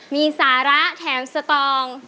มีสาระแถมสตอง